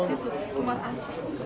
itu rumah asik